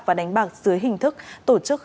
và đánh bạc dưới hình thức tổ chức